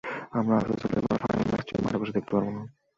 আমার আফসোস হলো, এবার ফাইনাল ম্যাচটা মাঠে বসে দেখতে পারব না।